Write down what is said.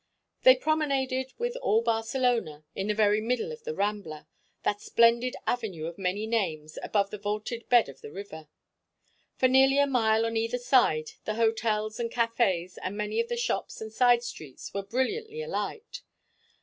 They promenaded with all Barcelona, in the very middle of the Rambla, that splendid avenue of many names above the vaulted bed of the river. For nearly a mile on either side the hotels and cafés and many of the shops and side streets were brilliantly alight.